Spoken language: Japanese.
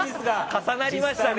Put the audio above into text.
重なりましたね。